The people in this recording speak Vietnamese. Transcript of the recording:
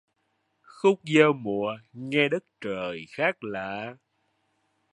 Khúc giao mùa nghe đất trời khác lạ